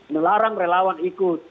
melarang relawan ikut